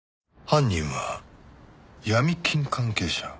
犯人はヤミ金関係者？